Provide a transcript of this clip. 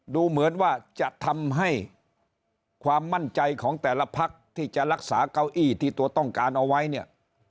ดูเหมือนว่าจะทำให้ความมั่นใจของแต่ละพักที่จะรักษาเก้าอี้ที่ตัวต้องการเอาไว้เนี่ย